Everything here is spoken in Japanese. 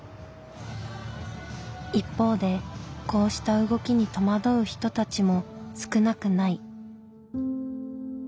一方でこうした動きに戸惑う人たちも少なくない。